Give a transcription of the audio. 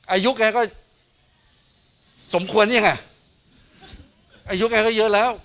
อายุแกก็สมควรนี่ยังไงอายุแกก็เยอะแล้ว